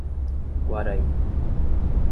Guaraí